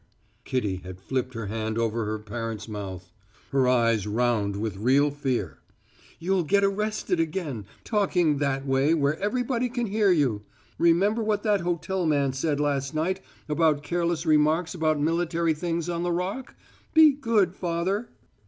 Kitty had flipped her hand over her parent's mouth, her eyes round with real fear. "You'll get arrested again, talking that way here where everybody can hear you. Remember what that hotel man said last night about careless remarks about military things on the Rock? Be good, father."